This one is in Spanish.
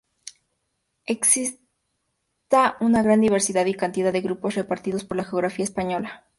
Exista una gran diversidad y cantidad de grupos, repartidos por la geografía española.